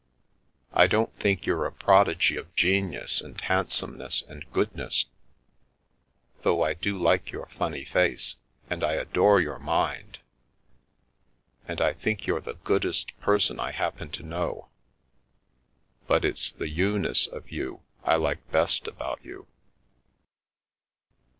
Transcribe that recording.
I don't think you're a prodigy of genius and handsomeness, and goodness, though I do like your funny face, and I adore your mind, and I think you're the goodest person I happen to know. But it's the you ness of you I like best about you."